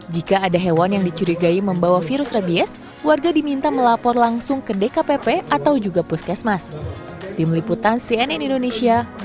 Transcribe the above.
jika ada hewan yang dicurigai membawa virus rabies warga diminta melapor langsung ke dkpp atau juga puskesmas